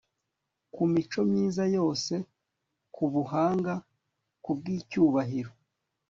ku mico myiza yose, kubuhanga, kubwicyubahiro